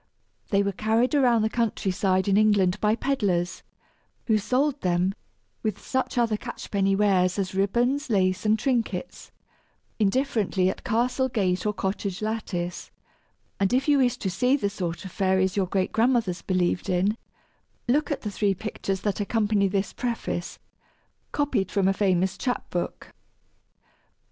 They were carried around the country side in England by peddlers, who sold them (with such other catch penny wares as ribbons, lace, and trinkets) indifferently at castle gate or cottage lattice; and if you wish to see the sort of fairies your great grandmothers believed in, look at the three pictures that accompany this preface, copied from a famous chap book.